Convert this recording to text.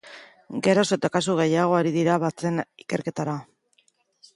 Geroz eta kasu gehiago ari dira batzen ikerketara.